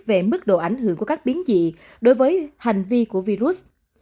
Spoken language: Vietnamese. về mức độ ảnh hưởng của các biến dị đối với hành vi của virus